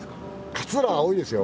勝浦は多いですよ。